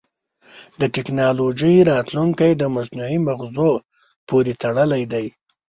د ټکنالوجۍ راتلونکی د مصنوعي مغزو پورې تړلی دی.